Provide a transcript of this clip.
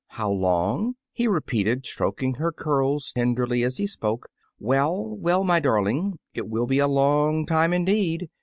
"How long?" he repeated, stroking her curls tenderly as he spoke; "well, well, my darling, it will be a long time indeed!